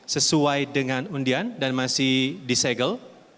sesuai dengan undian dan masih di segel